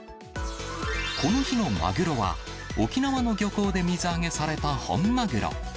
この日のマグロは、沖縄の漁港で水揚げされた本マグロ。